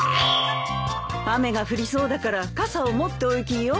雨が降りそうだから傘を持っておゆきよ。